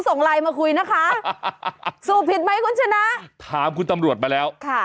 ส่งไลน์มาคุยนะคะสูบผิดไหมคุณชนะถามคุณตำรวจมาแล้วค่ะ